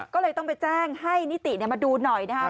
ก็เลยต้องไปแจ้งให้นิติมาดูหน่อยนะครับ